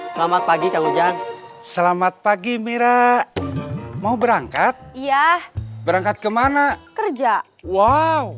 selamat pagi kang ujang selamat pagi mira mau berangkat iya berangkat kemana kerja wow